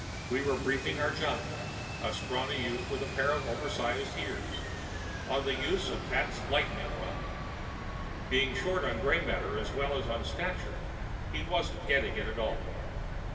We were briefing our jockey—a scrawny youth with a pair of oversized ears—on the use of Pat's lightening rod. Being short on gray matter as well as on stature, he wasn't getting it at all.